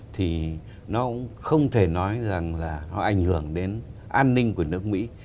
thì nó cũng không thể nói rằng là nó ảnh hưởng đến an ninh của nước mỹ